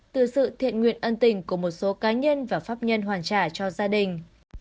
từ sự thiện nguyện ân tình của một số cá nhân và pháp nhân hoàn trả cho gia đình